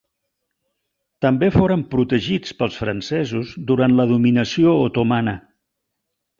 També foren protegits pels francesos durant la dominació otomana.